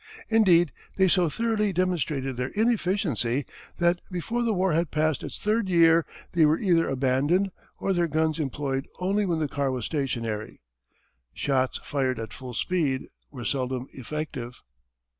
Indeed they so thoroughly demonstrated their inefficiency that before the war had passed its third year they were either abandoned or their guns employed only when the car was stationary. Shots fired at full speed were seldom effective.